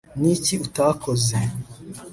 niki utakoze